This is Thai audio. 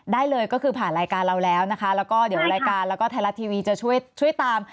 ได้เลยก็คือผ่านรายการเราแล้วนะคะแล้วก็เดี๋ยวรายการแล้วก็ไทยรัฐทีวีจะช่วยช่วยตาม